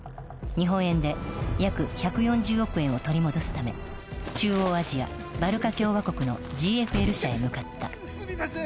日本円で約１４０億円を取り戻すため中央アジアバルカ共和国のＧＦＬ社へ向かったすみません